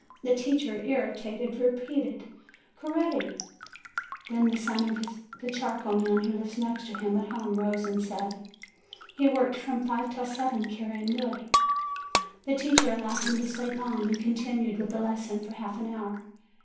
The teacher, irritated, re peated, "Coretti !" Then the son of the charcoal man, who lives next to him at home, rose and said : "He worked from five until seven carrying wood." The teacher allowed him to sleep on, and continued with the lesson for half an hour.